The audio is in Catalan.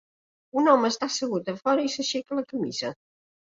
Un home està assegut a fora i s"aixeca la camisa.